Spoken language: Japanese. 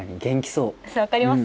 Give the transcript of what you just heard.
そう分かります？